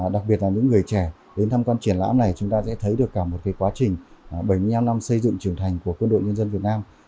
đặc biệt là những người trẻ đến tham quan triển lãm này chúng ta sẽ thấy được cả một quá trình bảy mươi năm năm xây dựng trưởng thành của quân đội nhân dân việt nam